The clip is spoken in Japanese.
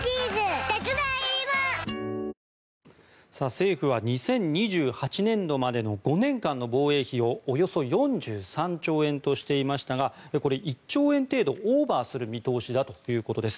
政府は２０２８年度までの５年間の防衛費をおよそ４３兆円としていましたがこれ、１兆円程度オーバーする見通しだということです。